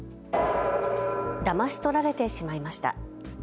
だまし取られてしまいました。